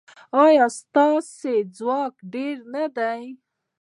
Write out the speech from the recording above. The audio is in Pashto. ایا ستاسو ځواک ډیر نه دی؟